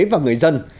và người dân